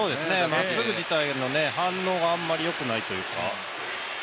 まっすぐ自体の反応がよくないというか。